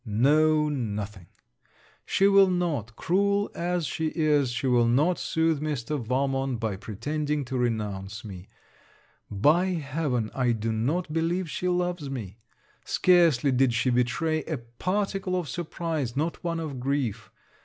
No nothing. She will not, cruel as she is, she will not soothe Mr. Valmont, by pretending to renounce me. By heaven, I do not believe she loves me! Scarcely did she betray a particle of surprise, not one of grief.